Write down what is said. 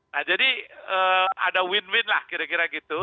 nah jadi ada win win lah kira kira gitu